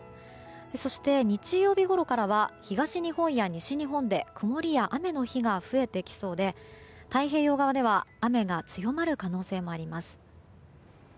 そして、日曜日ごろからは東日本や西日本で曇りや雨の日が増えてきそうで太平洋側では雨が強まる可能性もあります。